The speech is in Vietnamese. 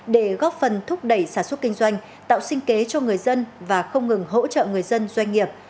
để góp phần thúc đẩy sản xuất kinh doanh tạo sinh kế cho người dân và không ngừng hỗ trợ người dân doanh nghiệp